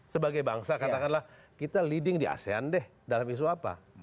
sebagai bangsa katakanlah kita leading di asean deh dalam isu apa